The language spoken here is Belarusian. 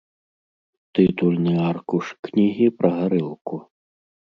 Тытульны аркуш кнігі пра гарэлку.